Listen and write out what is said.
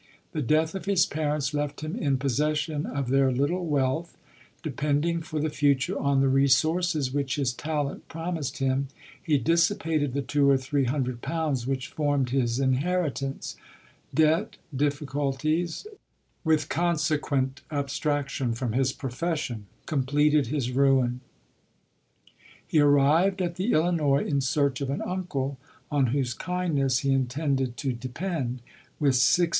The death of his parents left him in possession of their little wealth : depending for tlie future on the resources which his talent promised him, he dissipated the two or three hundred pounds which formed his inheritance: debt, difficulties, with consequent abstraction from his profession, completed his ruin. He arrived at the Illinois in search of an uncle, on whose kindness he intended to depend, with six LODORE.